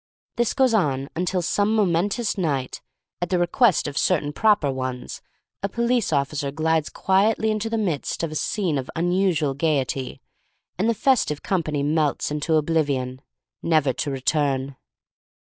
This goes on until some momentous night, at the request of certain proper ones, a police officer glides quietly into the midst of a scene of unusual gaiety — and the festive company melts into oblivion, never to return.